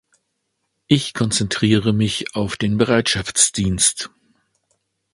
Ich konzentriere mich auf den Bereitschaftsdienst.